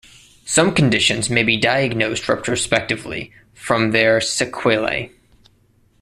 Some conditions may be diagnosed retrospectively from their sequelae.